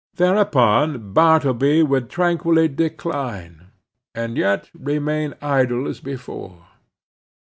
Thereupon, Bartleby would tranquilly decline, and yet remain idle as before.